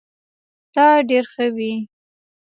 تا ډير ښه وي